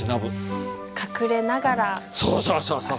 そうそうそうそう！